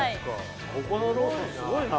ここのローソンすごいな。